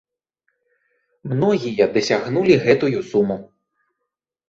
Многія дасягнулі гэтую суму.